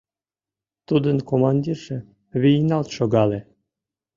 Тудын командирже вийналт шогале.